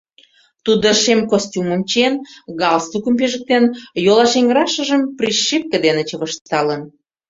Тудо шем костюмым чиен, галстукым пижыктен, йолашэҥырашыжым прищепке дене чывышталын.